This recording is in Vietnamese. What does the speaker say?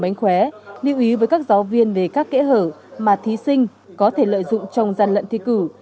như là các giáo viên về các kế hở mà thí sinh có thể lợi dụng trong gian lận thi cử